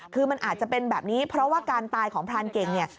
คือมันอาจจะเป็นแบบนี้เพราะว่าการตายของพรานเก่งเนี่ย